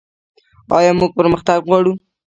آیا موږ پرمختګ غواړو؟